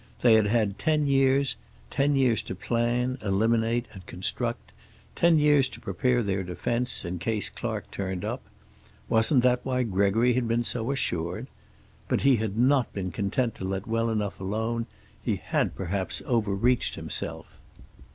They had had ten years; ten years to plan, eliminate and construct; ten years to prepare their defense, in case Clark turned up. Wasn't that why Gregory had been so assured? But he had not been content to let well enough alone; he had perhaps overreached himself.